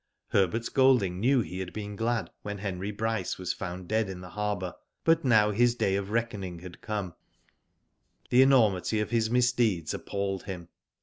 Herbert Golding knew he had been glad when Henry Bryce was found dead in the harbour. But now his day of reckoning had come, and the enormity of his misdeeds appalled him.